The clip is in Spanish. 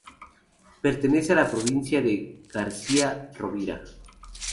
Pertenece a la provincia de García Rovira.